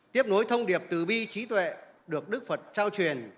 tiếp nối thông điệp từ bi trí tuệ được đức phật trao truyền